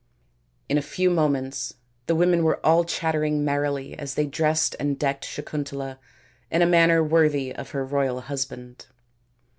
In a few moments the women were all chattering merrily as they dressed and decked Sakuntala in a manner worthy of her royal husband.